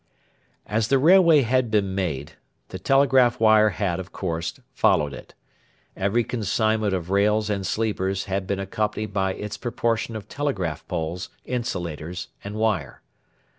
As the railway had been made, the telegraph wire had, of course, followed it. Every consignment of rails and sleepers had been accompanied by its proportion of telegraph poles, insulators, and wire.